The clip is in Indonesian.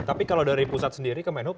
tapi kalau dari pusat sendiri ke menhub